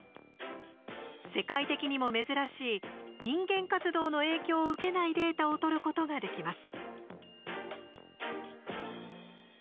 世界的にも珍しい人間活動の影響を受けないデータを取ることができます。